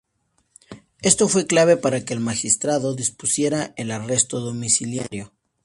Esto fue clave para que el magistrado dispusiera el arresto domiciliario.